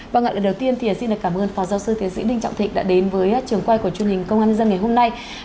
vâng ạ lần đầu tiên thì xin cảm ơn phó giáo sư tiến sĩ đinh trọng thịnh đã đến với trường quay của chương trình công an dân ngày hôm nay